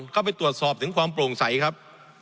เข้าไปตรวจสอบถึงความโปร่งใสครับ